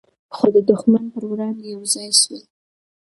خو د دښمن په وړاندې یو ځای سول.